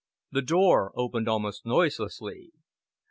The door opened almost noiselessly.